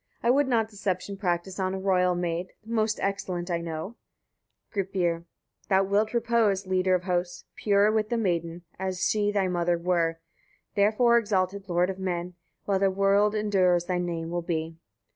I would not deception practise on a royal maid the most excellent I know. Gripir. 41. Thou wilt repose, leader of hosts! pure with the maiden, as she thy mother were; therefore exalted, lord of men! while the world endures thy name will be.